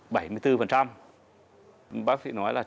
bác sĩ nói là trong ba năm thì cháu ấy có hy vọng hoàn toàn